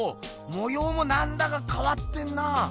もようもなんだかかわってんな。